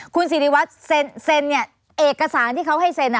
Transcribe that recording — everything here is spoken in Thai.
คุณสิริวัตรเซ็นเนี่ยเอกสารที่เขาให้เซ็น